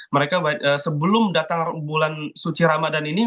mereka sebelum datang bulan suci ramadan ini